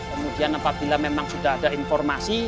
kemudian apabila memang sudah ada informasi